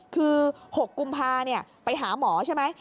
คือ๖กุมภาไปหาหมอใช่ไหม